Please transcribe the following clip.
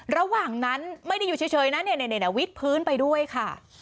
ระหว่างนั้นไม่ได้อยู่เฉยนะเนี่ยวิดพื้นไปด้วยค่ะ